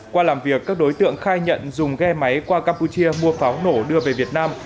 qua làm việc các đối tượng khai nhận dùng ghe máy qua campuchia mua pháo nổ đưa về việt nam